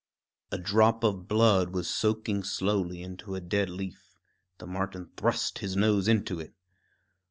A drop of blood was soaking slowly into a dead leaf. The marten thrust his nose into it.